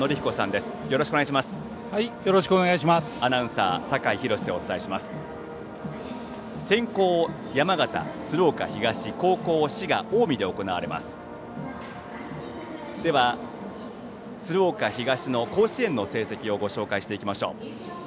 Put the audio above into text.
では、鶴岡東の甲子園の成績をご紹介していきましょう。